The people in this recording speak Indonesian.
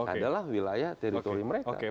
adalah wilayah teritori mereka